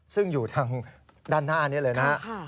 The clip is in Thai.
ซึ่งอยู่ทางด้านหน้านี้เลยนะครับ